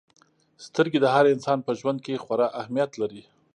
• سترګې د هر انسان په ژوند کې خورا اهمیت لري.